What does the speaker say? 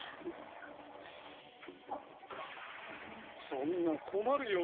そんな困るよ。